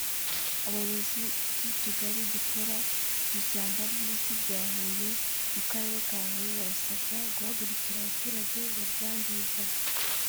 Abayobozi b’utugari dukora ku ishyamba ry’Ibisi bya Huye mu Karere ka Huye barasabwa guhagurukira abaturage baryangiza